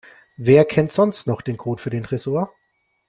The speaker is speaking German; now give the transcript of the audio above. Wer kennt sonst noch den Code für den Tresor?